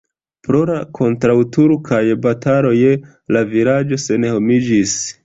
Pro la kontraŭturkaj bataloj la vilaĝo senhomiĝis.